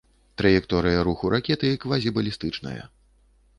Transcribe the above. Траекторыя руху ракеты квазібалістычная.